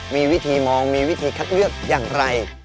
มีวิธีมองมีวิธีคัดเลือกอย่างไร